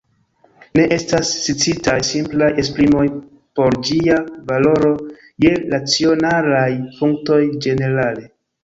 Ne estas sciataj simplaj esprimoj por ĝia valoro je racionalaj punktoj ĝenerale.